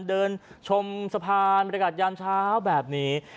เดินชมสะพานบรรยากาศยามเช้าแบบนี้